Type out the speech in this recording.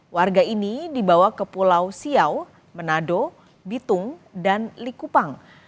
warga ini dibawa ke pulau siau manado bitung dan likupang